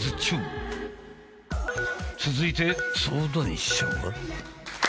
続いて相談者は。